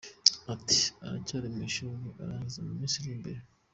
Ati “Aracyari mu ishuri, azarangiza mu minsi iri imbere.